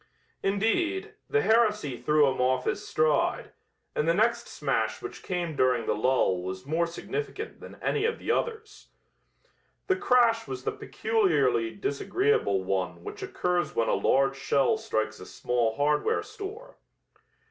Indeed, the heresy threw him off his stride, and the next smash which came during the lull was more significant than any of the others. The crash was the peculiarly disagreeable one which occurs when a large shell strikes a small hardware store.